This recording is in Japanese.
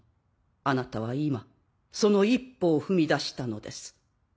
あなたは今その一歩を踏み出したのです。